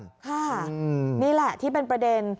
ค่ะนี่แหละที่เป็นประเด็น